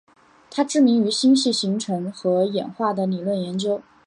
她知名于星系形成和演化的理论研究。